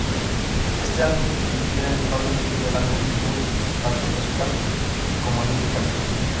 Este álbum difiere notablemente del álbum debut, tanto musical como líricamente.